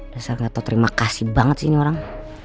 mas al gak tau terima kasih banget sih ini orang